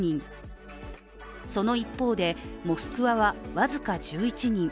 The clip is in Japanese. その一方で、モスクワは僅か１１人。